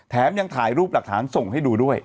แถมยังถ่ายรูปหลักฐานส่งให้ดูด้วย